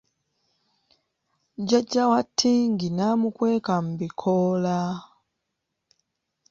Jjajja wa Tingi n'amukweka mu bikoola.